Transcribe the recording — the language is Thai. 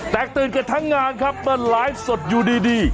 ตื่นกันทั้งงานครับมาไลฟ์สดอยู่ดี